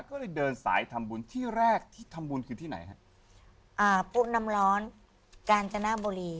ก็เลยเดินสายทำบุญที่แรกที่ทำบุญคือที่ไหนฮะอ่าปุ๊น้ำร้อนกาญจนบุรี